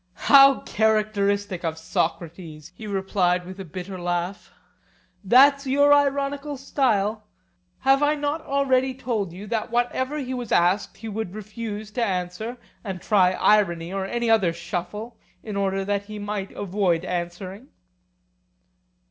How characteristic of Socrates! he replied, with a bitter laugh;—that's your ironical style! Did I not foresee—have I not already told you, that whatever he was asked he would refuse to answer, and try irony or any other shuffle, in order that he might avoid answering?